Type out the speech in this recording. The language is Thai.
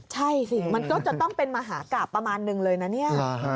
ใช่สิมันก็จะต้องเป็นมหากราบประมาณนึงเลยนะเนี่ย